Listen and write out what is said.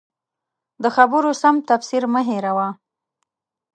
د خبرو سم تفسیر مه هېروه.